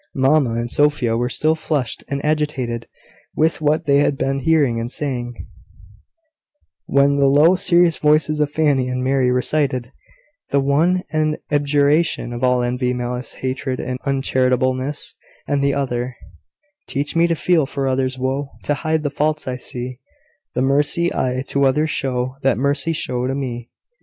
Mamma and Sophia were still flushed and agitated with what they had been hearing and saying, when the low serious voices of Fanny and Mary recited the one an abjuration of all envy, malice, hatred, and uncharitableness; and the other "Teach me to feel for others' woe, To hide the faults I see; The mercy I to others show, That mercy show to me."